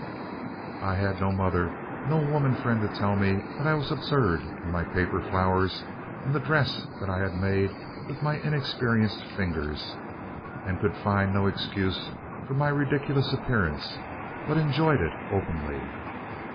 "I had no mother, no woman friend to tell me that I was absurd in my paper flowers and the dress that I had made with my inexperienced fingers, and you could find no excuse for my ridiculous appearance, but enjoyed it openly.